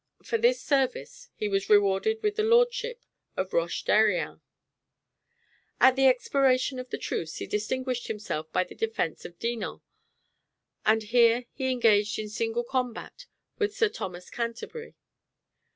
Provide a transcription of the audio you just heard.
For this service he was rewarded with the lordship of Roche d'Airien. At the expiration of the truce he distinguished himself by the defence of Dinan, and here he engaged in single combat with Sir Thomas Canterbury.